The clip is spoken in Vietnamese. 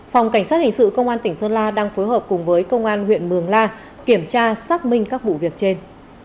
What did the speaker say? phòng cảnh sát hình sự công an tỉnh sơn la đang phối hợp cùng với công an huyện mường la kiểm tra xác minh các vụ việc trên